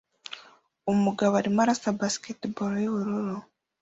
Umugabo arimo arasa basketball yubururu